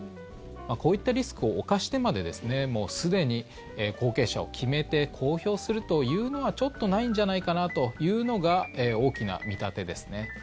こういったリスクを冒してまですでに後継者を決めて公表するというのは、ちょっとないんじゃないかなというのが大きな見立てですね。